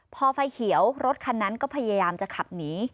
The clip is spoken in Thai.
พอไฟเขียวรถคันนั้นก็พยายามจะขับหนี